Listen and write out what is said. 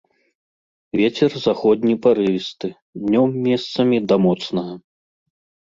Вецер заходні парывісты, днём месцамі да моцнага.